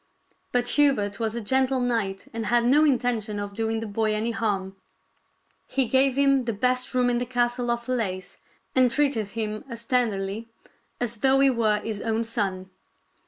But Hubert was a gentle knight and had no intention of doing the boy any harm. He gave him the best room in the castle of Falaise and treated him as tenderly as though he were his own son.